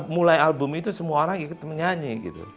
mulai album itu semua orang ikut menyanyi